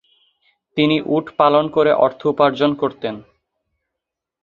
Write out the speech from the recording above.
তিনি উট পালন করে অর্থ উপার্জন করতেন।